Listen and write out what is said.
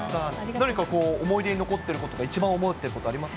何か思い出に残っていることとか、一番覚えてることあります？